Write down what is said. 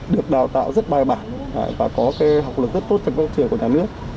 được đào tạo rất bài bản và có học lực rất tốt trong các trường của nhà nước